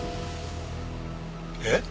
えっ？